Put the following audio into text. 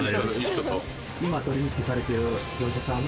今取引されてる業者さんは？